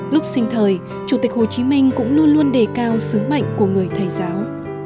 lúc sinh thời chủ tịch hồ chí minh cũng luôn luôn đề cao sứ mệnh của người thầy giáo